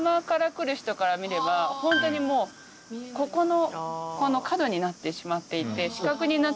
からみればホントにもうここの角になってしまっていて。